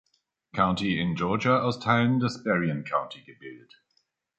County in Georgia aus Teilen des Berrien County gebildet.